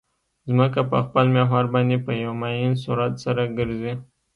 ځمکه په خپل محور باندې په یو معین سرعت سره ګرځي